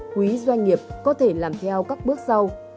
quý doanh nghiệp có thể làm theo các bước sau